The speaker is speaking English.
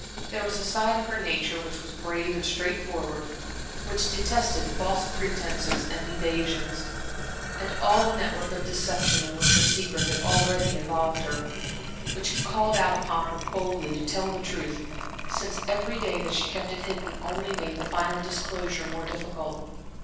There was a side of her nature which was brave and straightforward, which detested false pretences and evasions, and all the net work of deception in which her secret had already involved her; which called out upon her boldly to tell the truth, since every day that she kept it hidden only made the final disclosure more difficult.